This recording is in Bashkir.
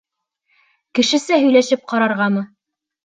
Кешесә һөйләшеп ҡарарғамы?